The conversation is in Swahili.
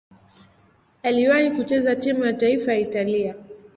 Aliwahi kucheza timu ya taifa ya Italia.